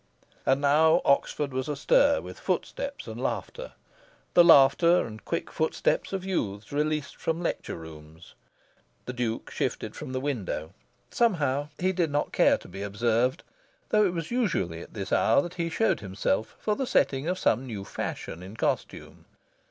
And now Oxford was astir with footsteps and laughter the laughter and quick footsteps of youths released from lecture rooms. The Duke shifted from the window. Somehow, he did not care to be observed, though it was usually at this hour that he showed himself for the setting of some new fashion in costume.